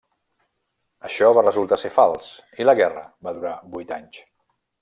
Això va resultar ser fals, i la guerra va durar vuit anys.